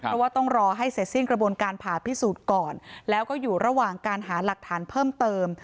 เพราะว่าต้องรอให้เสร็จสิ้นกระบวนการผ่าพิสูจน์ก่อนแล้วก็อยู่ระหว่างการหาหลักฐานเพิ่มเติม